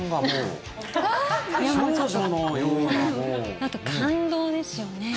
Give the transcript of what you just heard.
あと、感動ですよね。